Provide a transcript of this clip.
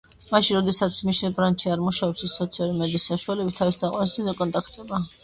მაშინ როდესაც მიშელ ბრანჩი არ მუშაობს ის სოციალური მედიის საშუალებით თავის თაყვანისმცემლებს ეკონტაქტება.